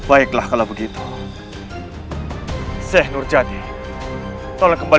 akhirnya kembali untuk ruang para penawar